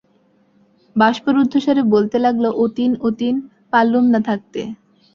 বাষ্পরুদ্ধস্বরে বলতে লাগল, অতীন, অতীন, পারলুম না থাকতে।